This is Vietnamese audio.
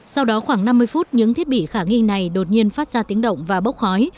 sau đó khoảng năm mươi phút những thiết bị khả nghi này đột nhiên phát ra tiếng động và bốc khói